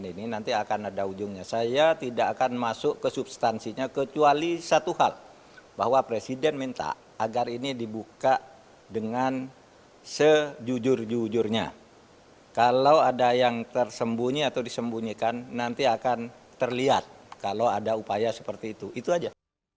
ini dibuka dengan sejujur jujurnya kalau ada yang tersembunyi atau disembunyikan nanti akan terlihat kalau ada upaya seperti itu itu aja